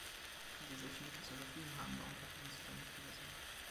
Wenn Sie solche Mittel zur Verfügung haben, warum verfügen Sie dann nicht über sie?